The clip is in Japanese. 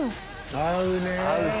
合うね！